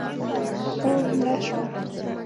او مړه شوه